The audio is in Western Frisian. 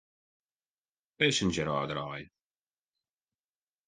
Passenger ôfdraaie.